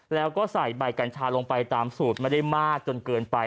แล้วก็ใส่ใบกัญชาลงไปตามสูตรไม่ได้มากจนเกินไป